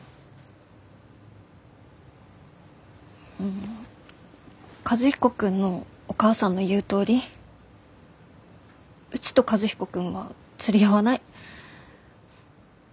ん和彦君のお母さんの言うとおりうちと和彦君は釣り合わない。